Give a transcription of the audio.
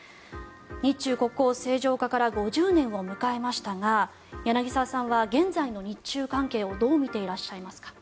日中国交正常化から５０年を迎えましたが柳澤さんは現在の日中関係をどう見ていらっしゃいますか。